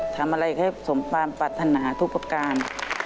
ทำอะไรให้สมความปรัฐนาทุกประการ